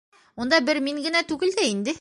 — Унда бер мин генә түгел дә инде.